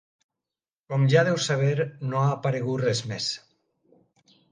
Com ja deu saber, no ha aparegut res més.